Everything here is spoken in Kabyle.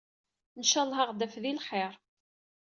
Ncalleh ad aɣ-d-taf di lxiṛ.